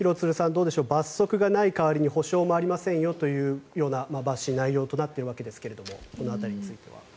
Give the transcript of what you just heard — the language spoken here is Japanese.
どうでしょう罰則がない代わりに補償もありませんよという内容となっているわけですがこの辺りについては。